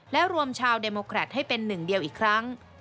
และรวมชาวเดโมแครตให้เป็นหนึ่งเดียวอีกครั้ง